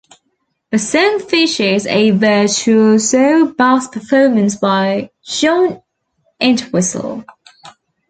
The song features a virtuoso bass performance by John Entwistle.